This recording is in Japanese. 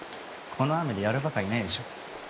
この雨でやるばかいないでしょ。